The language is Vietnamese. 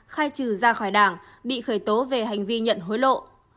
khai trừ ra khỏi đảng bị khởi tố về hành vi nhận hối lộ